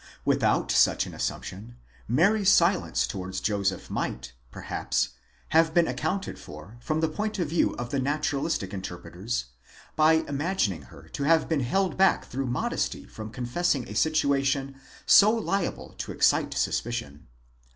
Without such an assumption, Mary's silence towards Joseph might, perhaps, have been accounted for from the point of view of the naturalistic interpre ters, by imagining her to have been held back through modesty from confess ing a situation so liable to excite suspicion.